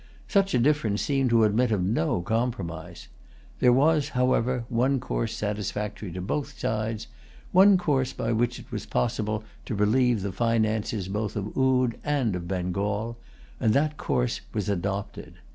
Such a difference seemed to admit of no compromise. There was, however, one course satisfactory to both sides, one course by which it was possible to relieve the finances both of Oude and of Bengal; and that course was adopted.